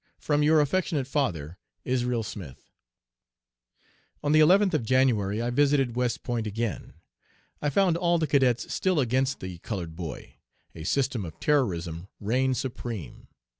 "'From your affectionate father, "'ISRAEL SMITH.'" "On the 11th of January I visited West Point again. I found all the cadets still against the colored boy. A system of terrorism reigned supreme.